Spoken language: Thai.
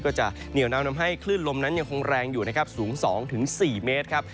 ก็จะเหนียวนำให้คลื่นลมนั้นยังคงแรงอยู่นะครับสูง๒๔เมตรครับ